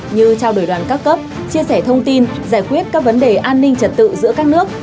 như trao đổi đoàn các cấp chia sẻ thông tin giải quyết các vấn đề an ninh trật tự giữa các nước